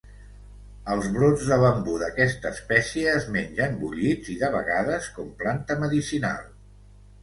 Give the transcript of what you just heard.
Els brots de bambú d'aquesta espècie es mengen bullits i de vegades com planta medicinal.